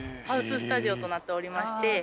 ハウススタジオとなっておりまして。